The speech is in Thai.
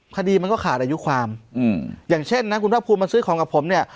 คดีมันก็ขาดอายุความอย่างเช่นนะคุณภาคภูมิมาซื้อของกับผมเนี่ย